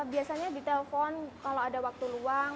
biasanya ditelepon kalau ada waktu luang